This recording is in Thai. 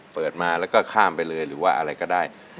เปิดมาแล้วก็ข้ามไปเลยหรือว่าอะไรก็ได้